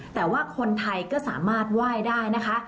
แต่ว่าคนไทยก็สามารถไหว้ได้นะคะ